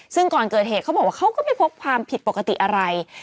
ซึ่งก่อนเกิดเหตุเขาบอกว่าเขาก็ไม่พบความผิดปกติอะไร